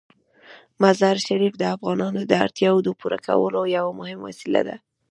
مزارشریف د افغانانو د اړتیاوو د پوره کولو یوه مهمه وسیله ده.